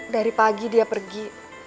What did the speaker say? dari pagi dia pergi